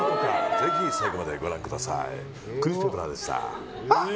ぜひ最後までご覧ください。